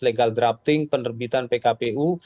legal drafting penerbitan pkpu